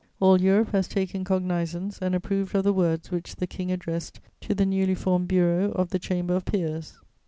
"All Europe has taken cognizance and approved of the words which the King addressed to the newly formed bureau of the Chamber of Peers.